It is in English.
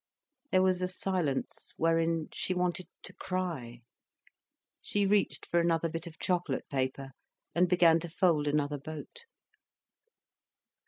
There was a silence, wherein she wanted to cry. She reached for another bit of chocolate paper, and began to fold another boat.